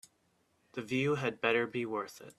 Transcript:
The view had better be worth it.